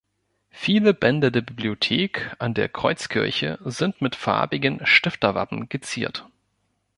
Viele Bände der Bibliothek an der Kreuzkirche sind mit farbigen Stifterwappen geziert.